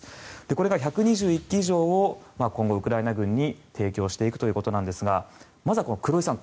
これが１２１機以上を今後、ウクライナ軍に提供していくということなんですがまずは黒井さん